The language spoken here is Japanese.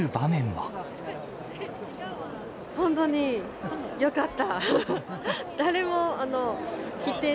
本当によかった。